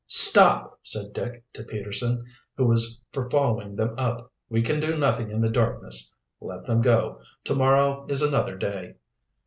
"Stop!" said Dick to Peterson, who was for following them up. "We can do nothing in the darkness. Let them go. To morrow is another day.